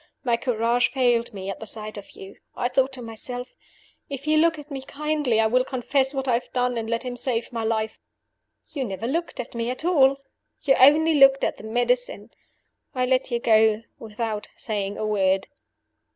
My courage failed me at the sight of you. I thought to myself, 'If he look at me kindly, I will confess what I have done, and let him save my life.' You never looked at me at all. You only looked at the medicine. I let you go without saying a word.